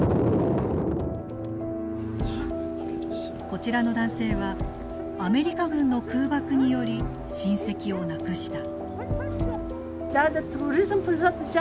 こちらの男性はアメリカ軍の空爆により親戚を亡くした。